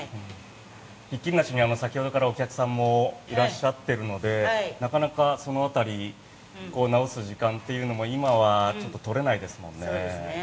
ひっきりなしに先ほどからお客さんもいらっしゃっているのでなかなか、その辺り直す時間というのも今はちょっと取れないですもんね。